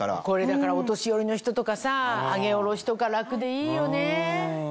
これだからお年寄りの人とかさ上げ下ろしとか楽でいいよね。